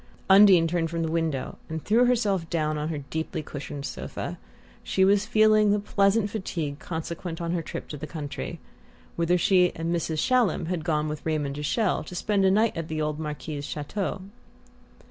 Undine turned from the window and threw herself down on her deeply cushioned sofa. She was feeling the pleasant fatigue consequent on her trip to the country, whither she and Mrs. Shallum had gone with Raymond de Chelles to spend a night at the old Marquis's chateau.